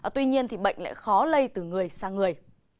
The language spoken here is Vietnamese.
tuy nhiên bệnh khó lây từ người sang người